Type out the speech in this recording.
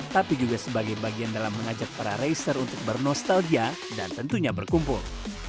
tapi juga sebagai bagian dalam mengajak para racer untuk bernostalgia dan tentunya berkumpul